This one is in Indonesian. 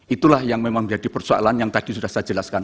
itulah yang memang menjadi persoalan yang tadi sudah saya jelaskan